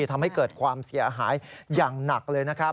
ทำให้เกิดความเสียหายอย่างหนักเลยนะครับ